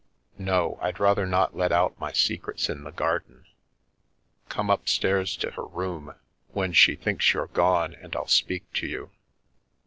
" No, I'd rather not let out my secrets in the garden. Come upstairs to her room when she thinks you're gone and I'll speak to you.